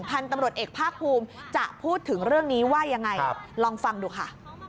พันธุ์ตำรวจเอกภาคภูมิจะพูดถึงเรื่องนี้ว่ายังไงลองฟังดูค่ะ